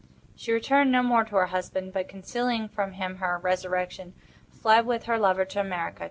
She returned no more to her husband, but, concealing from him her resurrection, fled with her lover to America.